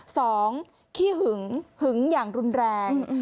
ขี้หึงหึงอย่างรุนแรง